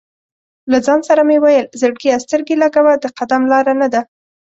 له ځان سره مې ویل: "زړګیه سترګې لګوه، د قدم لاره نه ده".